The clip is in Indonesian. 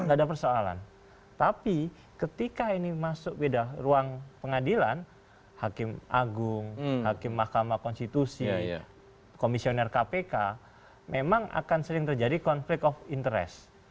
tidak ada persoalan tapi ketika ini masuk beda ruang pengadilan hakim agung hakim mahkamah konstitusi komisioner kpk memang akan sering terjadi konflik of interest